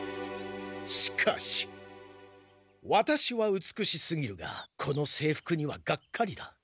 しかしワタシは美しすぎるがこの制服にはがっかりだ。